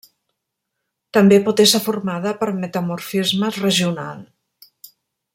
També pot ésser formada per metamorfisme regional.